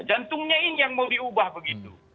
jantungnya ini yang mau diubah begitu